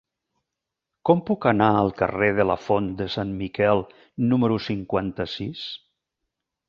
Com puc anar al carrer de la Font de Sant Miquel número cinquanta-sis?